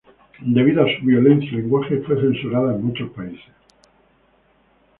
Debido a su violencia y lenguaje, fue censurada en muchos países.